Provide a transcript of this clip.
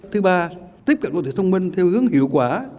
thứ ba tiếp cận đô thị thông minh theo hướng hiệu quả